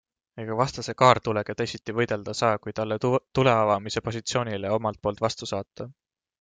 Ega vastase kaartulega teisiti võidelda saa, kui talle tuleavamise positsioonile omalt poolt vastu saata.